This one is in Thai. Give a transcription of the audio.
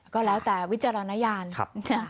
ก็แล้วแต่วิจารณญาณ